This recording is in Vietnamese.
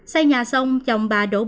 xây nhà xong chồng bà đông